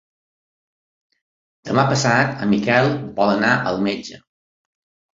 Demà passat en Miquel vol anar al metge.